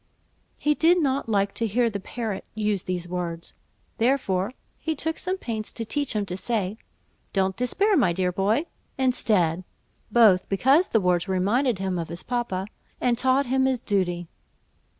He did not like to hear the parrot use these words, therefore he took some pains to teach him to say, "Don't despair, my dear boy," instead, both because the words reminded him of his papa, and taught him his duty.